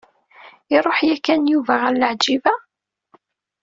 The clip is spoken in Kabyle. Iruḥ yakan Yuba ɣer Leɛǧiba?